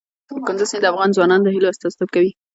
کندز سیند د افغان ځوانانو د هیلو استازیتوب کوي.